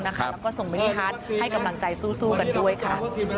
แล้วก็ส่งมินิฮัทให้กำลังใจสู้กันด้วยค่ะ